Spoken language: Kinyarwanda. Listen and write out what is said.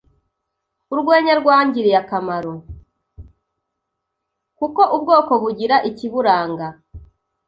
kuko ubwoko bugira ikiburanga